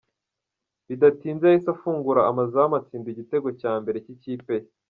Bidatinze yahise afungura amazamu atsinda igitego cya mbere cy’ikipe ye.